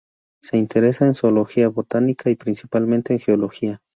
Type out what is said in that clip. Y se interesa en Zoología, Botánica y principalmente en Geología.